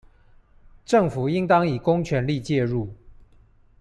政府應當以公權力介入